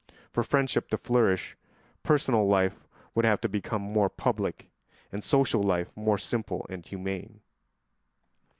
For friendship to flourish personal life would have to become more public and social life more simple and humane.